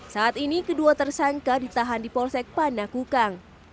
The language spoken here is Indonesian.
saat ini kedua tersangka ditahan di polsek panakukang